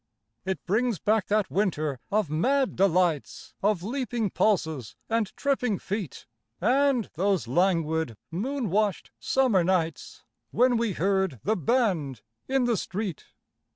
It brings back that Winter of mad delights, Of leaping pulses and tripping feet, And those languid moon washed Summer nights When we heard the band in the street.